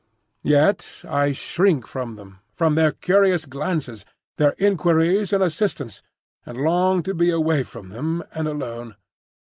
Yet I shrink from them, from their curious glances, their inquiries and assistance, and long to be away from them and alone.